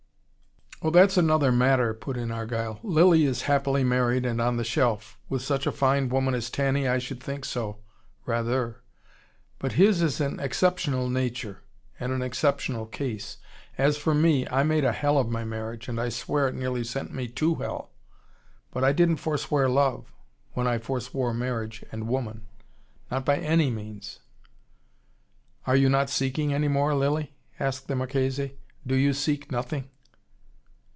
"Oh, that's another matter," put in Argyle. "Lilly is happily married and on the shelf. With such a fine woman as Tanny I should think so RATHER! But his is an exceptional nature, and an exceptional case. As for me, I made a hell of my marriage, and I swear it nearly sent me to hell. But I didn't forswear love, when I forswore marriage and woman. Not by ANY means." "Are you not seeking any more, Lilly?" asked the Marchese. "Do you seek nothing?"